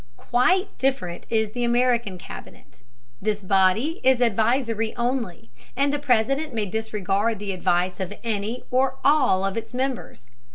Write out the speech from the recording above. Quite different is the American Cabinet. This body is advisory only, and the President may disregard the advice of any or all of its members.